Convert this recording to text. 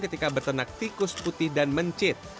ketika bertenag tikus putih dan mencit